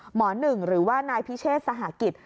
หนึ่งหรือว่านายพิเชษสหกิจ